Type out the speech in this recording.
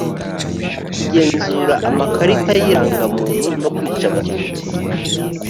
kugenzura amakarita y irangamuntu no kwica abatutsi